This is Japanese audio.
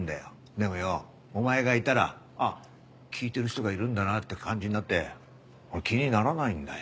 でもよお前がいたら「あっ聴いてる人がいるんだな」って感じになって気にならないんだよ。